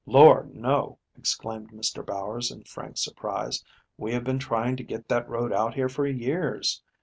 "Lord, no!" exclaimed Mr. Bowers, in frank surprise. "We have been trying to get that road out here for years.